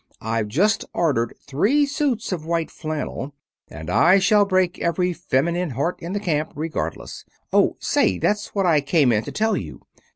I've just ordered three suits of white flannel, and I shall break every feminine heart in the camp, regardless Oh, say, that's what I came in to tell you!